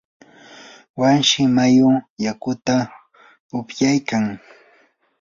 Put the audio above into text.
wanshi mayu yakutam upyaykan.